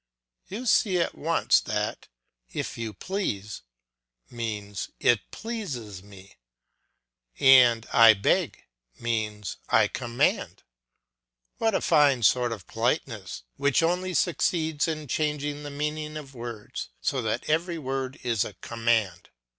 You see at once that "If you please" means "It pleases me," and "I beg" means "I command." What a fine sort of politeness which only succeeds in changing the meaning of words so that every word is a command!